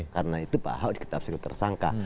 karena itu bahwa kita bersikap tersangka